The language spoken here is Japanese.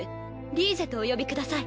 リーゼとお呼びください。